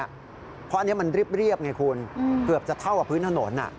เพราะอันนี้มันเรียบไงคุณเกือบจะเท่ากับพื้นถนน